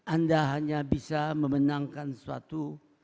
anda hanya bisa memenangkan sesuatu